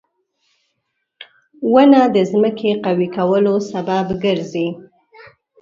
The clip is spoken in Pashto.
• ونه د ځمکې قوي کولو سبب ګرځي.